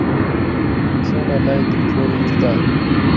چوومە لای دکتۆری ددان